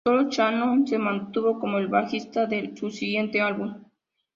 Sólo Shannon se mantuvo como el bajista de su siguiente álbum.